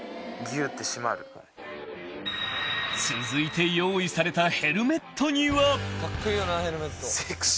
［続いて用意されたヘルメットには］